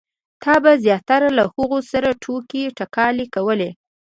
تا به زیاتره له هغو سره ټوکې ټکالې کولې.